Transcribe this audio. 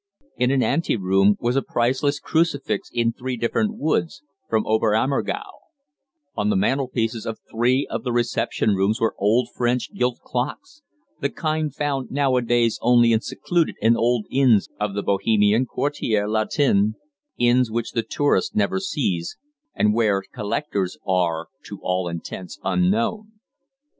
In an ante room was a priceless crucifix in three different woods, from Ober Ammergau; on the mantelpieces of three of the reception rooms were old French gilt clocks the kind found nowadays only in secluded and old inns of the Bohemian Quartier Latin, inns which the tourist never sees, and where "collectors" are to all intents unknown.